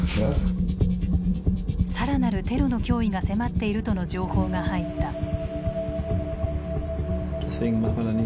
更なるテロの脅威が迫っているとの情報が入った。